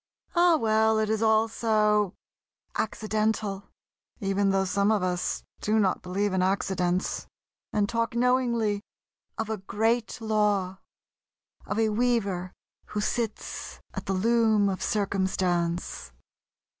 Oh, well, it is all so "accidental" ... even though some of us do not believe in accidents, and talk knowingly of a Great Law ... of a Weaver who sits at the Loom of Circumstance....